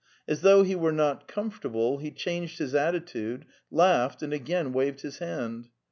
As though he were not comfortable, he changed his attitude, laughed, and again waved his hand.